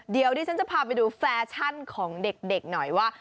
เดี๋ยวดิฉันจะพาไปดูแฟชั่นของเด็กหน่อยว่า